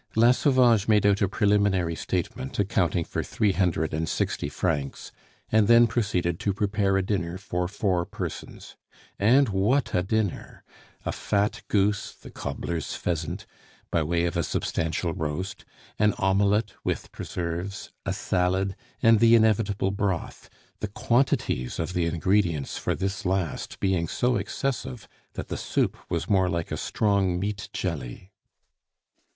La Sauvage made out a preliminary statement accounting for three hundred and sixty francs, and then proceeded to prepare a dinner for four persons. And what a dinner! A fat goose (the cobbler's pheasant) by way of a substantial roast, an omelette with preserves, a salad, and the inevitable broth the quantities of the ingredients for this last being so excessive that the soup was more like a strong meat jelly.